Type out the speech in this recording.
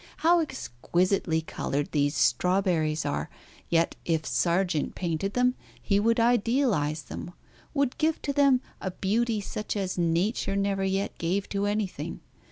How exquisitely coloured these strawberries are, yet if Sargent painted them he would idealise them, would give to them a beauty such as Nature never yet gave to anything.